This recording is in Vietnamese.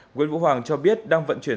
nguyễn vũ hoàng cho biết đang vận chuyển